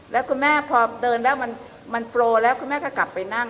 แล้วคุณแม่พอเดินแล้วมันโปรแล้วคุณแม่ก็กลับไปนั่ง